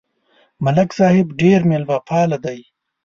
ملک صاحب ډېر مېلمهپاله دی.